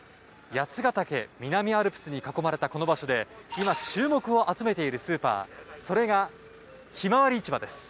八ケ岳、南アルプスに囲まれたこの場所で今、注目を集めているスーパーそれが、ひまわり市場です。